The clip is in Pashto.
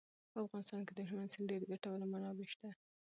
په افغانستان کې د هلمند سیند ډېرې ګټورې منابع شته.